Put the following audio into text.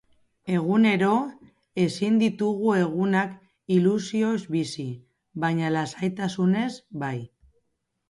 Egunero ezin ditugu egunak ilusioz bizi, baina lasaitasunez bai.